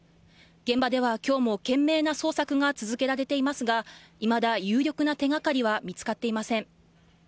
現場では今日も懸命な捜索が続けられていますがいまだ有力な手がかりは見つかっていません。